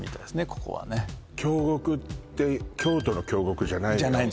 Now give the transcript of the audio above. ここはね京極って京都の京極じゃないのよ